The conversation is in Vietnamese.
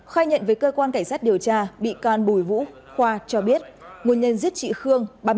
khai nhận với cơ quan cảnh sát điều tra bị can bùi vũ khoa cho biết nguồn nhân giết chị khương